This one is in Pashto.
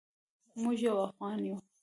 موږ یو افغان یو